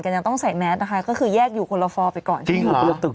อ่านไปแล้วรู้สึกว่าเรียนว่าอึ้ม